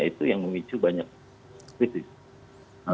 itu yang memicu banyak krisis